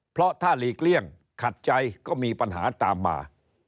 เพราะถ้าหลีกเลี่ยงขัดใจก็มีปัญหาตามมา